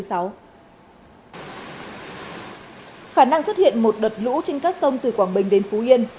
khả năng xuất hiện một đợt lũ trên các sông từ quảng bình đến phú yên